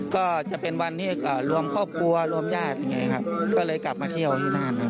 ก็จะเป็นวันที่รวมครอบครัวรวมญาติอย่างนี้ครับก็เลยกลับมาเที่ยวที่นั่นครับ